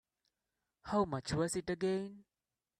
How much was it again?